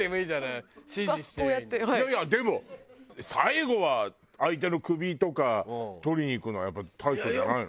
いやいやでも最後は相手の首とかとりに行くのはやっぱり大将じゃないの？